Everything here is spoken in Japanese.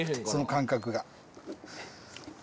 その感覚が。